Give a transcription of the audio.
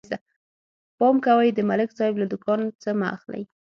پام کوئ، د ملک صاحب له دوکان څه مه اخلئ.